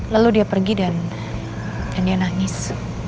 lalu dia pergi dan dia nangis